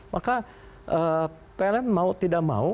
maka pln mau tidak mau